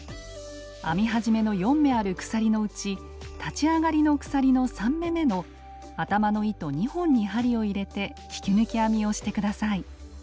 編み始めの４目ある鎖のうち立ち上がりの鎖の３目めの頭の糸２本に針を入れて引き抜き編みをして下さい。